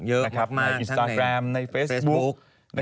เยอะมากทั้งในอินสตาร์ทแบรมในเฟซบุ๊ค